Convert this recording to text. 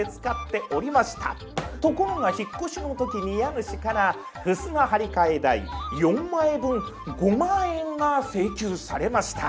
ところが引っ越しの時に家主からふすま張り替え代４枚分５万円が請求されました。